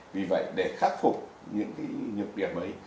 vì vậy để khắc phục những nhược điểm ấy